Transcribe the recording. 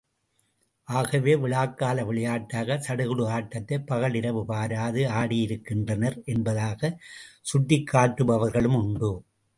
ஆகவே, விழாக்கால விளையாட்டாக சடுகுடு ஆட்டத்தை பகல் இரவு பாராது ஆடியிருக்கின்றனர் என்பதாகச் சுட்டி காட்டுபவர்களும் உண்டு.